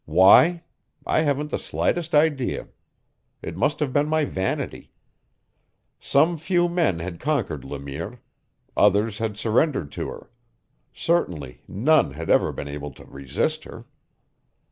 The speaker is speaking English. Why? I haven't the slightest idea. It must have been my vanity. Some few men had conquered Le Mire; others had surrendered to her; certainly none had ever been able to resist her.